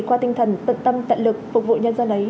qua tinh thần tận tâm tận lực phục vụ nhân dân ấy